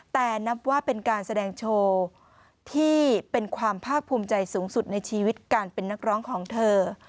แต่นับว่าเป็นการแสดงโชว์ที่เป็นความภาคภูมิใจสูงสุดในชีวิตการเป็นนักร้องของเธอ